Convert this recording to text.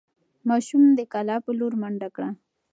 ماشوم د کلا په لور منډه کړه.